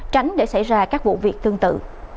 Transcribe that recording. tránh để xảy ra các vụ việc tương tự